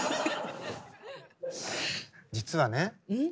実はね